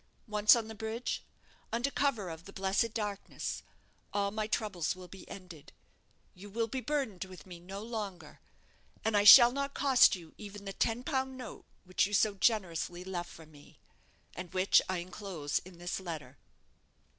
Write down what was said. Once on the bridge, under cover of the blessed darkness, all my troubles will be ended; you will be burdened with me no longer, and I shall not cost you even the ten pound note which you so generously left for me, and which I shall enclose in this letter.